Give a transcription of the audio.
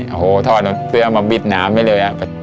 โอ้โหทอดเสื้อมาบิดหนาไม่เลยอะ